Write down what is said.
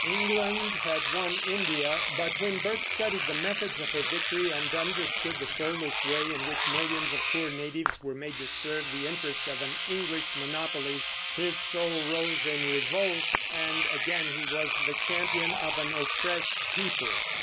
England had won India; but when Burke studied the methods of her victory and understood the soulless way in which millions of poor natives were made to serve the interests of an English monopoly, his soul rose in revolt, and again he was the champion of an oppressed people.